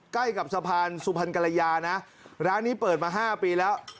ใกล้กับสะพานสุพรรณกรยานะร้านนี้เปิดมา๕ปีแล้ว